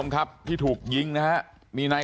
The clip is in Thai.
บอกแล้วบอกแล้วบอกแล้ว